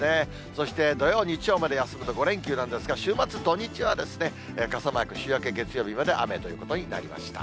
そして土曜、日曜まで休むと５連休なんですが、週末、土日は傘マーク、週明け月曜日まで雨ということになりました。